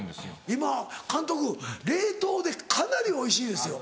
今監督冷凍でかなりおいしいですよ。